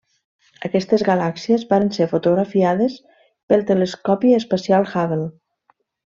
Aquestes galàxies varen ser fotografiades pel Telescopi espacial Hubble.